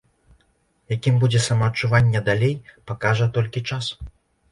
Якім будзе самаадчуванне далей, пакажа толькі час.